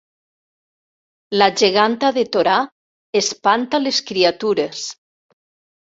La geganta de Torà espanta les criatures